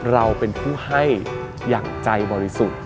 เราเป็นผู้ให้อย่างใจบริสุทธิ์